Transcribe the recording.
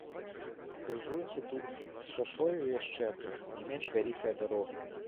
Крыжуецца тут з шашою і яшчэ адна, не менш вялікая дарога.